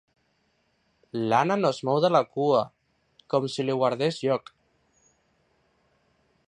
L'Anna no es mou de la cua, com si li guardés lloc.